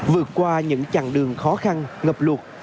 vượt qua những chặng đường khó khăn ngập luộc